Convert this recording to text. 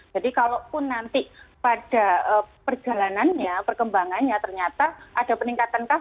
jadi kalau pun nanti pada perjalanannya perkembangannya ternyata ada peningkatan